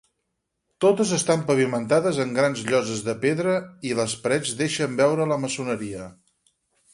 Totes estan pavimentades amb grans lloses de pedra i les parets deixen veure la maçoneria.